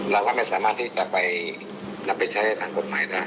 เราก็ไม่สามารถาไปทำไปใช้กฎหมายนะ